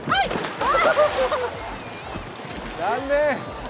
残念！